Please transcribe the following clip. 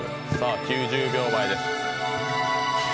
９０秒前です。